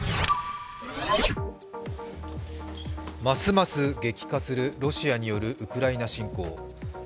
ますます激化するロシアによるウクライナ侵攻。